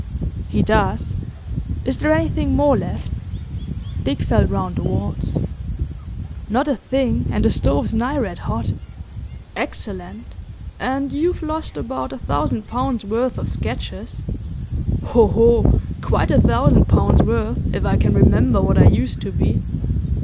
"He does. Is there anything more left?" Dick felt round the walls. "Not a thing, and the stove's nigh red hot." "Excellent, and you've lost about a thousand pounds' worth of sketches. Ho! ho! Quite a thousand pounds' worth, if I can remember what I used to be."